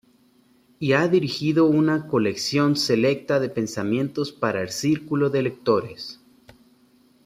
Y ha dirigido una colección selecta de pensamiento para el Círculo de Lectores.